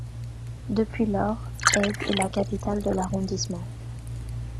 Depuis lors, Heide est la capitale de l’arrondissement.